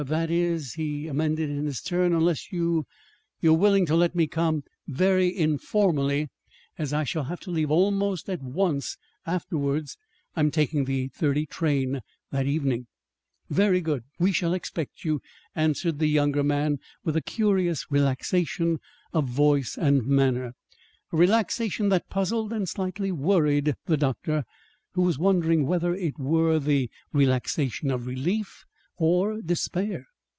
"Er that is," he amended in his turn, "unless you you are willing to let me come very informally, as I shall have to leave almost at once afterwards. I'm taking the eight thirty train that evening." "Very good. We shall expect you," answered the younger man, with a curious relaxation of voice and manner a relaxation that puzzled and slightly worried the doctor, who was wondering whether it were the relaxation of relief or despair.